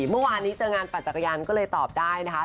เมื่อวานนี้เจองานปัจจักรยานก็เลยตอบได้นะคะ